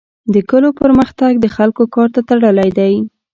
د کلو پرمختګ د خلکو کار ته تړلی دی.